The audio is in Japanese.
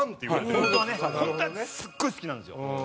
本当はすごい好きなんですよ。